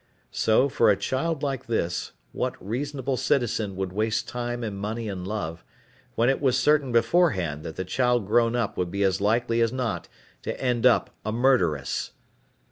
So, for a child like this, what reasonable citizen would waste time and money and love, when it was certain beforehand that the child grown up would be as likely as not to end up a murderess?